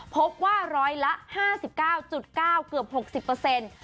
พบว่าร้อยละ๕๙๙เกือบ๖๐เปอร์เซ็นต์